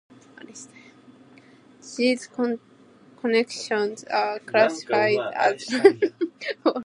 These connections are classified as poles.